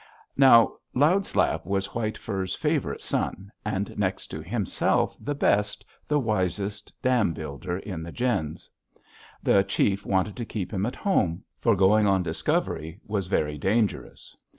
"Now, Loud Slap was White Fur's favorite son, and next to himself the best, the wisest dam builder in the gens. The chief wanted to keep him at home, for going on discovery was very dangerous.